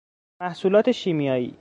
محصولات شیمیایی